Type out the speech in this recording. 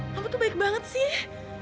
kamu tuh baik banget sih